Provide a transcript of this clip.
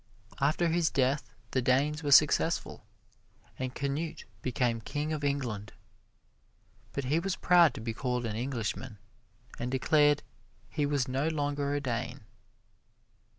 After his death, the Danes were successful, and Canute became King of England. But he was proud to be called an Englishman, and declared he was no longer a Dane.